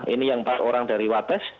ini yang empat orang dari wates